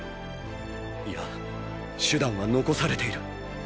いや手段は残されている。